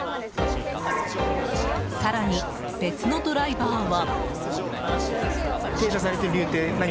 更に、別のドライバーは。